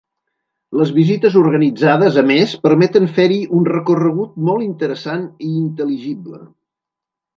Les visites organitzades, a més, permeten fer-hi un recorregut molt interessant i intel·ligible.